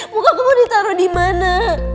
muka aku mau ditaro dimana